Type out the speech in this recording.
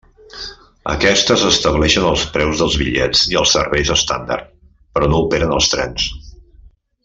Aquestes estableixen els preus dels bitllets i els serveis estàndard, però no operen els trens.